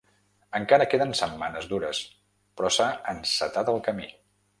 Encara queden setmanes dures…però s'ha encetat el camí.